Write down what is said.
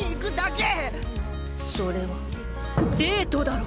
それはデートだろ。